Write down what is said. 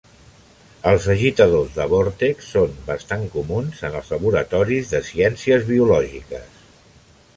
Els agitadors de vòrtex són bastant comuns en els laboratoris de ciències biològiques.